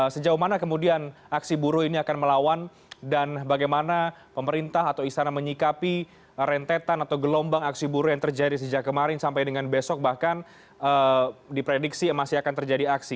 sejauh mana kemudian aksi buruh ini akan melawan dan bagaimana pemerintah atau istana menyikapi rentetan atau gelombang aksi buruh yang terjadi sejak kemarin sampai dengan besok bahkan diprediksi masih akan terjadi aksi